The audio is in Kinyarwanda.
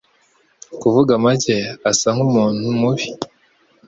Kuvuga make, asa nkumuntu mubi.